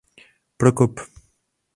Prokop.